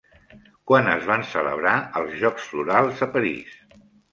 Quan es van celebrar els Jocs Florals a París?